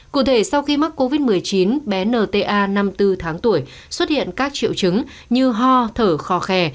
cụ thể sau khi mắc covid một mươi chín bé nta năm mươi bốn tháng tuổi xuất hiện các triệu chứng như ho thở khò khè